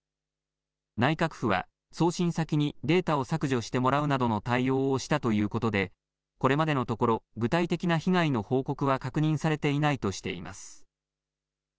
内閣府は送信先にデータを削除してもらうなどの対応をしたということでこれまでのところ具体的な被害の報告は確認されていないとしています。